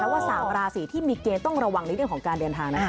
ว่า๓ราศีที่มีเกณฑ์ต้องระวังในเรื่องของการเดินทางนะคะ